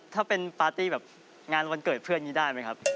ถ้าเป็นปาร์ตี้แบบงานวันเกิดเพื่อนนี้ได้ไหมครับ